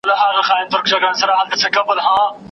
د اوبو زور یې په ژوند نه وو لیدلی